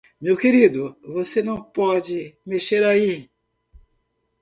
Meu querido, você não pode mexer aí.